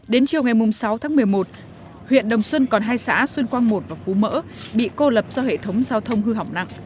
đến chiều ngày sáu tháng một mươi một huyện đồng xuân còn hai xã xuân quang một và phú mỡ bị cô lập do hệ thống giao thông hư hỏng nặng